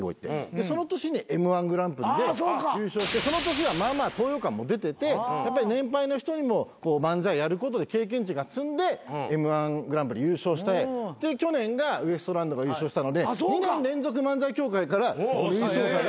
でその年にＭ−１グランプリで優勝してその年はまあまあ東洋館も出ててやっぱり年配の人にも漫才やることで経験値が積んでＭ−１グランプリ優勝してで去年がウエストランドが優勝したので２年連続漫才協会から優勝者が。